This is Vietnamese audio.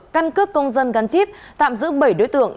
căn cước công dân gắn chip tạm giữ bảy đối tượng